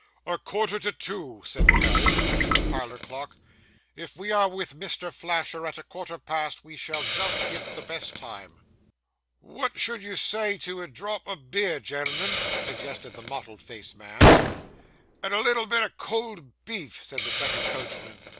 'A quarter to two,' said Pell, looking at the parlour clock. 'If we are with Mr. Flasher at a quarter past, we shall just hit the best time.' 'What should you say to a drop o' beer, gen'l'm'n?' suggested the mottled faced man. 'And a little bit o' cold beef,' said the second coachman.